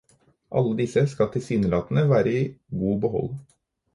Alle disse skal tilsynelatende være i god behold.